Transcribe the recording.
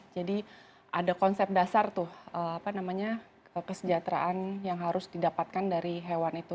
jadi ada konsep dasar tuh apa namanya kesejahteraan yang harus didapatkan dari hewan itu